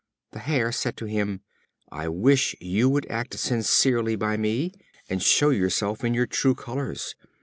The Hare said to him: "I wish you would act sincerely by me, and show yourself in your true colors.